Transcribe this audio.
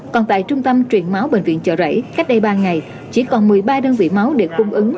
còn tại trung tâm truyền máu bệnh viện chợ rẫy cách đây ba ngày chỉ còn một mươi ba đơn vị máu để cung ứng